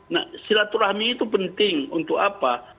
nah silaturahmi itu penting untuk apa